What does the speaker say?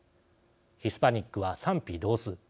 ヒスパニックは賛否同数。